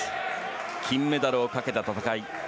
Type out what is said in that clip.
金メダルをかけた戦い。